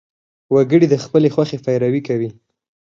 وګړي د خپلې خوښې پیروي کوي.